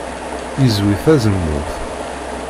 Yezwi tazemmurt.